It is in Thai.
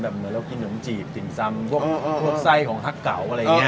แบบเหมือนเรากินหนุ่มจีบติ่มซำพวกพวกไส้ของทักเก่าอะไรอย่างเงี้ยเออ